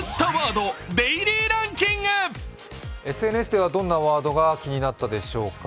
ＳＮＳではどんなワードが気になったでしょうか。